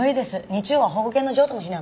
日曜は保護犬の譲渡の日なんで。